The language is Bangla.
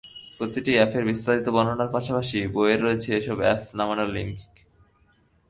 প্রতিটি অ্যাপের বিস্তারিত বর্ণনার পাশাপাশি বইয়ে রয়েছে এসব অ্যাপস নামানোর লিংক।